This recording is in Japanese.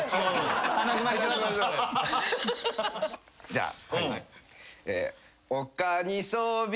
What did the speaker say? じゃあ。